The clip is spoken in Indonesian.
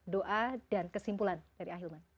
doa dan kesimpulan dari ahilman